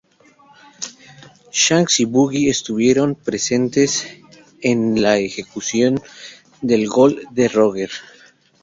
Shanks y Buggy estuvieron presentes en la ejecución de Gol D. Roger.